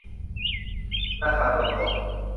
ธนาคารมณฑล